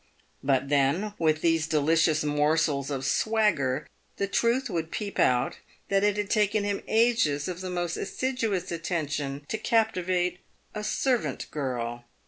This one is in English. But then, with these delicious morsels of swagger, the truth would peep out that it had taken him ages of the most assiduous attention to capti vate a servant girl.